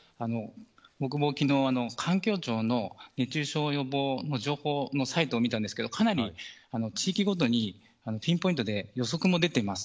僕も昨日、環境庁の熱中症予防の情報のサイトを見たんですがかなり地域ごとにピンポイントで予測も出ています。